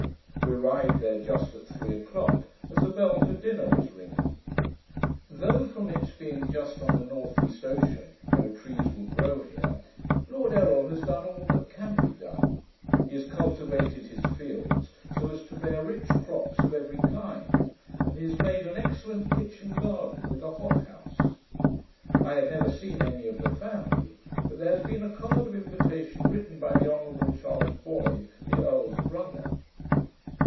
We arrived there just at three o'clock, as the bell for dinner was ringing. Though, from its being just on the north east Ocean, no trees will grow here, Lord Errol has done all that can be done. He has cultivated his fields so as to bear rich crops of every kind, and he has made an excellent kitchen garden, with a hot house. I had never seen any of the family: but there had been a card of invitation written by the honourable Charles Boyd, the earl's brother.